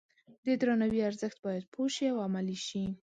د درناوي ارزښت باید پوه شي او عملي شي.